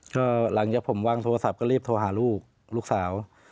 ก็หลังจากผมวางโทรศัพท์ก็รีบโทรหาลูกลูกสาว